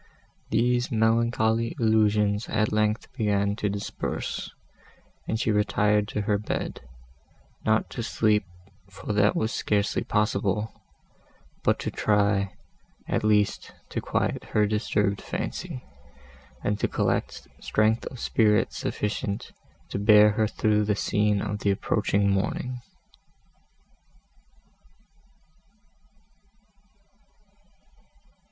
These melancholy illusions at length began to disperse, and she retired to her bed, not to sleep, for that was scarcely possible, but to try, at least, to quiet her disturbed fancy, and to collect strength of spirits sufficient to bear her through the scene of the approaching morning.